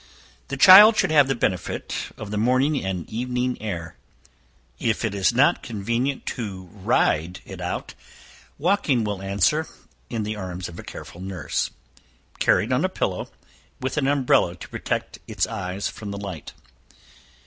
The child should have the benefit of the morning and evening air. If it is not convenient to ride it out, walking will answer, in the arms of a careful nurse, carried on a pillow, with an umbrella to protect its eyes from the light.